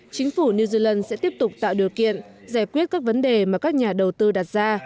chính phủ new zealand sẽ tiếp tục tạo điều kiện giải quyết các vấn đề mà các nhà đầu tư đặt ra